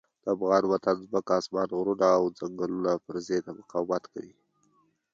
د افغان وطن ځمکه، اسمان، غرونه او ځنګلونه پر ضد مقاومت کوي.